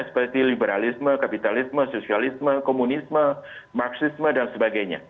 seperti liberalisme kapitalisme sosialisme komunisme marxisme dan sebagainya